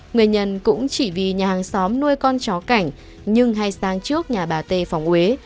nguyên nhân cũng chỉ vì nhà hàng xóm nuôi con chó cảnh nhưng hay sang trước nhà bà t phòng ế